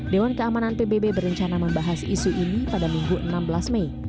dewan keamanan pbb berencana membahas isu ini pada minggu enam belas mei